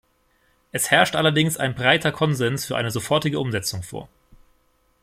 Es herrscht allerdings ein breiter Konsens für eine sofortige Umsetzung vor.